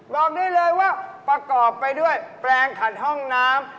บอกได้เลยว่าประกอบไปด้วยแปลงขันห้องน้ำ